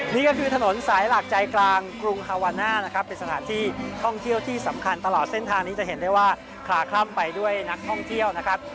นี่ก็คือถนนสายหลักใจกลางกรุงฮาวาน่านะครับเป็นสถานที่ท่องเที่ยวที่สำคัญตลอดเส้นทางนี้จะเห็นได้ว่าคลาคล่ำไปด้วยนักท่องเที่ยวนะครับ